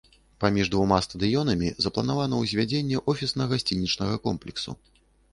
Паміж двума стадыёнамі запланавана ўзвядзенне офісна-гасцінічнага комплексу.